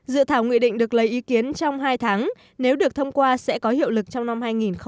dự thảo nguy định được lấy ý kiến trong hai tháng nếu được thông qua sẽ có hiệu lực trong năm hai nghìn một mươi chín